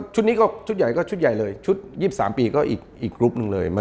ชุดนี้ก็ชุดใหญ่ก็ชุดใหญ่เลยชุด๒๓ปีก็อีกกรุ๊ปหนึ่งเลย